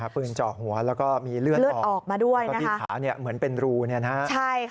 ปืนจอกหัวแล้วก็มีเลื่อนออก